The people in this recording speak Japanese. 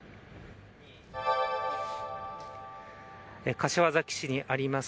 柏崎市にあります